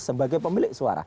sebagai pemilik suara